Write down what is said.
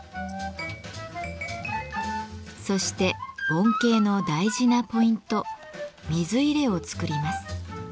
そして盆景の大事なポイント水入れを作ります。